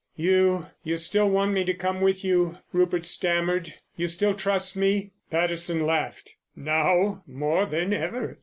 "You—you still want me to come with you?" Rupert stammered. "You still trust me?" Patterson laughed. "Now, more than ever."